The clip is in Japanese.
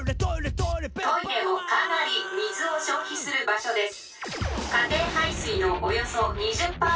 「トイレもカナリ水を消費する場所デス」。